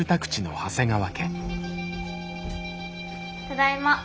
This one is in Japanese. ただいま。